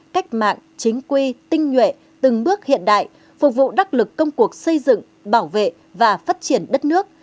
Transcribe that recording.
cách mạng chính quy tinh nhuệ từng bước hiện đại phục vụ đắc lực công cuộc xây dựng bảo vệ và phát triển đất nước